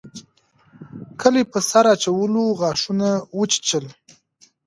ګلي په سر اچولو غاښونه وچيچل.